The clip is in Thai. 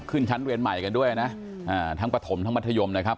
ขึ้นชั้นเรียนใหม่กันด้วยนะทั้งปฐมทั้งมัธยมนะครับ